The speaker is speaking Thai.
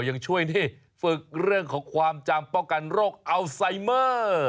ยังช่วยนี่ฝึกเรื่องของความจำป้องกันโรคอัลไซเมอร์